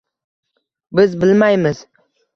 Biz bilmaymiz: